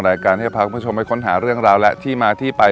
รายการที่จะพาคุณผู้ชมไปค้นหาเรื่องราวและที่มาที่ไป